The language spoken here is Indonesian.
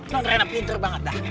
nonrena pinter banget dah